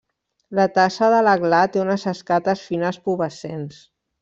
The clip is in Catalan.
La tassa de la gla té unes escates fines pubescents.